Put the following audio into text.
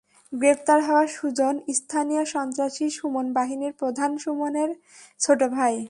গ্রেপ্তার হওয়া সুজন স্থানীয় সন্ত্রাসী সুমন বাহিনীর প্রধান সুমনের ছোট ভাই।